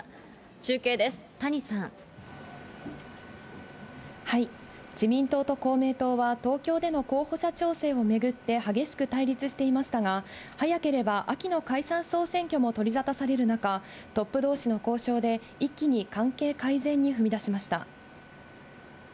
中継です、自民党と公明党は、東京での候補者調整を巡って激しく対立していましたが、早ければ秋の解散・総選挙も取り沙汰される中、トップどうしの交渉で一気に関係改善に踏み出しました。